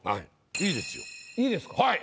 いいですか。